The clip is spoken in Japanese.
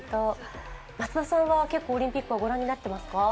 松田さんは結構オリンピックはご覧になってますか？